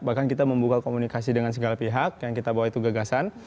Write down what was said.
bahkan kita membuka komunikasi dengan segala pihak yang kita bawa itu gagasan